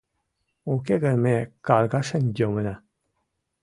Уке гын ме каргашен йомына.